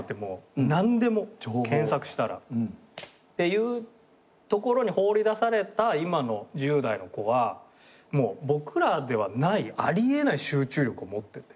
いうところに放り出された今の１０代の子はもう僕らではないあり得ない集中力を持ってて。